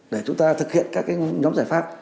để chúng ta thực hiện các nhóm giải pháp